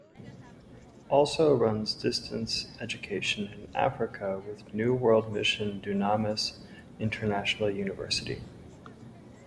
Also runs distance education in Africa with New World Mission Dunamis International University.